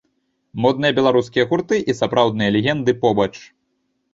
Модныя беларускія гурты і сапраўдныя легенды побач.